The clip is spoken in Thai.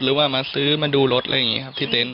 หรือว่ามาซื้อมาดูรถอะไรอย่างนี้ครับที่เต็นต